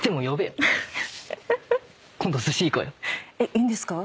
いいんですか？